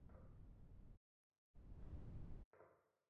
সে এটা ভাবে যে, আমিও ভাবতেছি সে মরে গেছে।